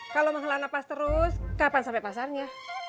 kalau mengelana pas terus kapan sampai pasarnya